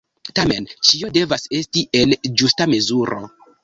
Tamen ĉio devas esti en ĝusta mezuro.